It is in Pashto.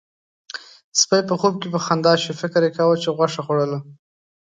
سپي په خوب کې په خندا شو، فکر يې کاوه چې غوښه خوړله.